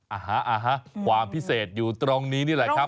อาหารความพิเศษอยู่ตรงนี้นี่แหละครับ